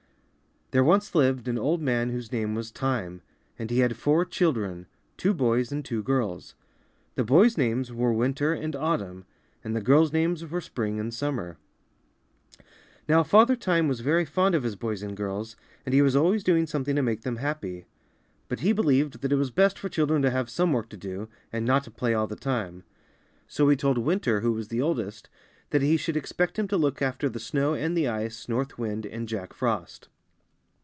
There once lived an old man whose name was Time, and he had four children, two boys and two girls. The boys' names were Winter and Autumn, and the girls' names were Spring and Summer. Now Father Time was very fond of his boys and girls, and he was always doing something to make them happy; but he believed that it was best for children to have some work to do, and not to play all the time. So he told Winter, who was the oldest, that he should expect him to look after the snow and the ice. North Wind and Jack Frost.